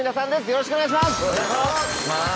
よろしくお願いします。